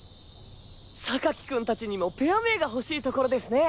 君達にもペア名がほしいところですね。